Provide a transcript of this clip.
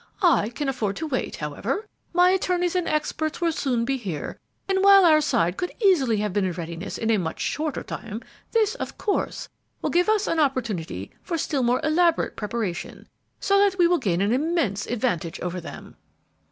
I can afford to wait, however; my attorneys and experts will soon be here, and while our side could easily have been in readiness in a much shorter time, this, of course, will give us an opportunity for still more elaborate preparation, so that we will gain an immense advantage over them."